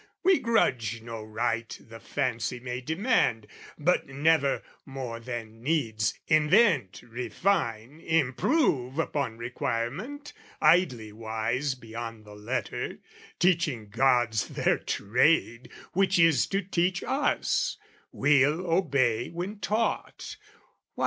We grudge no rite the fancy may demand; But never, more than needs, invent, refine, Improve upon requirement, idly wise Beyond the letter, teaching gods their trade, Which is to teach us: we'll obey when taught.